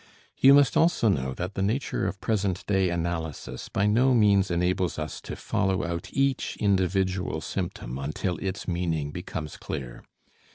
You must also know that the nature of present day analysis by no means enables us to follow out each individual symptom until its meaning becomes clear.